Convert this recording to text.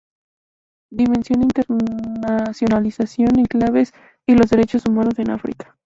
Dimensión, internacionalización y claves" y "Los derechos humanos en África".